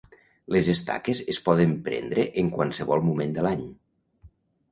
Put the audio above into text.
Les estaques es poden prendre en qualsevol moment de l'any.